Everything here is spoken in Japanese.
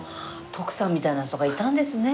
徳さんみたいな人がいたんですね。